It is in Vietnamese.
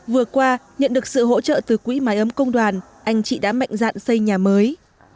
vừa qua nhận được sự hỗ trợ từ quỹ máy ấm công đoàn anh chị đã mạnh dạn xây nhà mới